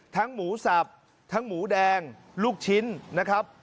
หมูสับทั้งหมูแดงลูกชิ้นนะครับ